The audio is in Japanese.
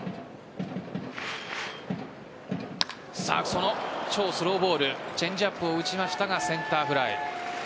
その超スローボールチェンジアップを打ちましたがセンターフライ。